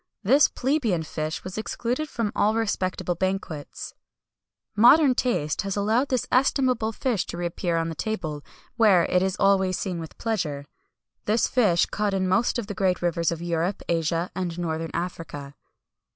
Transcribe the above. This plebeian fish was excluded from all respectable banquets.[Y] "Modern taste has allowed this estimable fish to re appear on the table, where it is always seen with pleasure. This fish is caught in most of the great rivers of Europe, Asia, and northern Africa."